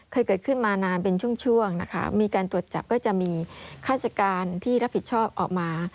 เคยเกิดขึ้นมานานเป็นช่วงช่วงนะคะมีการตรวจจับก็จะมีฆาติการที่รับผิดชอบออกมา